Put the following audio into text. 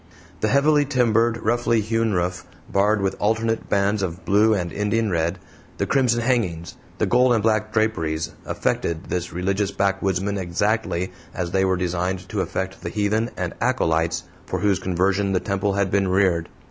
The heavily timbered, roughly hewn roof, barred with alternate bands of blue and Indian red, the crimson hangings, the gold and black draperies, affected this religious backwoodsman exactly as they were designed to affect the heathen and acolytes for whose conversion the temple had been reared.